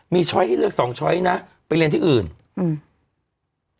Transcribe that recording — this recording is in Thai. มีช้อยให้เลือกสองช้อยนะไปเรียนที่อื่นอืม